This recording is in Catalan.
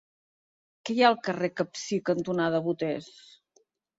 Què hi ha al carrer Capcir cantonada Boters?